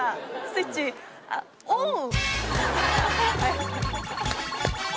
スイッチあオン！